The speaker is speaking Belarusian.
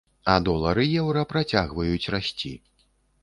А долар і еўра працягваюць расці.